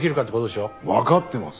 わかってます。